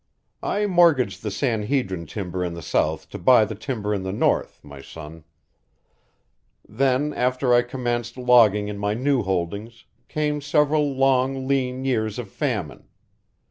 "I mortgaged the San Hedrin timber in the south to buy the timber in the north, my son; then after I commenced logging in my new holdings, came several long, lean years of famine.